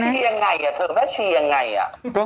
แม่ชียังไงอะเธอแม่ชียังไงอะ